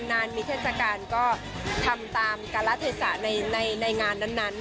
นานมีเทศกาลก็ทำตามการละเทศะในงานนั้น